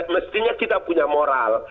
mestinya kita punya moral